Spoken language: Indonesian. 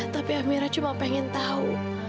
tapi elmira cuma pengen tahu